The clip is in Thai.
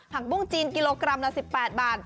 ปุ้งจีนกิโลกรัมละ๑๘บาท